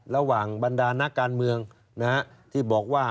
ระหว่างบรรดานักการเมืองที่บอกว่า